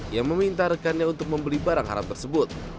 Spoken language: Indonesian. yang meminta rekannya untuk membeli barang haram tersebut